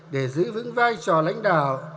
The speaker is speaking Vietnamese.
để giữ vững vai trò lãnh đạo